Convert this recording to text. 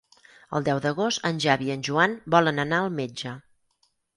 El deu d'agost en Xavi i en Joan volen anar al metge.